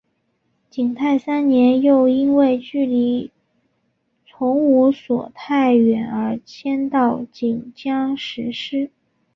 景泰三年又因为距离崇武所太远而迁到晋江石狮。